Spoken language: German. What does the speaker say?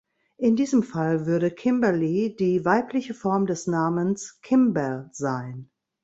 In diesem Fall würde Kimberly die weibliche Form des Namens Kimball sein.